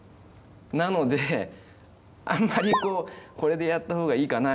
なのであんまりこうこれでやった方がいいかな？